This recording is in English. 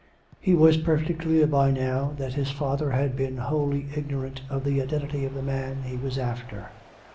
He was perfectly clear by now that his father had been wholly ignorant of the identity of the man he was after.